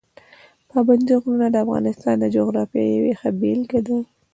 پابندي غرونه د افغانستان د جغرافیې یوه ښه بېلګه ده.